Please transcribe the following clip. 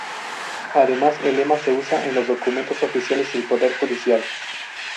Además el lema se usa en los documentos oficiales del Poder Judicial.